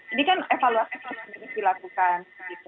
ini kan evaluasi tersebut harus dilakukan